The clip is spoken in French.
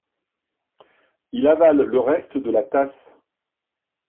Il avale le reste de la tasse.